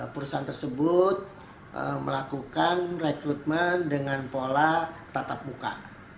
perusahaan tersebut melakukan rekrutmen dengan pola tatap muka